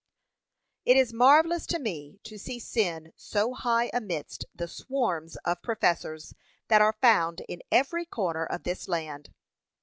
It is marvellous to me to see sin so high amidst the swarms of professors that are found in every corner of this land.